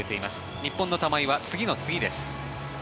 日本の玉井は次の次です。